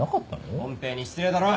ポンペイに失礼だろ！